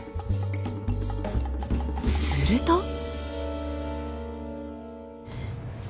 すると。